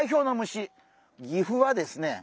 岐阜はですね